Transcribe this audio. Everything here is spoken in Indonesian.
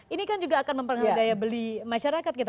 ini kan juga akan mempengaruhi daya beli masyarakat kita